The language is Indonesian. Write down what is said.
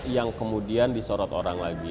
yang kemudian disorot orang lagi